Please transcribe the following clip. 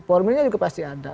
formilnya juga pasti ada